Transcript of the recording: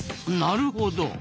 なるほど。